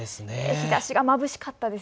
日ざしがまぶしかったです。